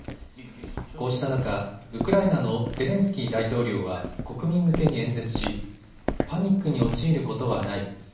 こうした中、ウクライナのゼレンスキー大統領は国民向けに演説しパニックに陥ることはない。